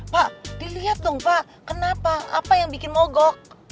pak dilihat dong pak kenapa apa yang bikin mogok